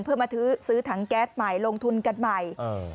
เพื่อมาซื้อถังแก๊สใหม่ลงทุนกันใหม่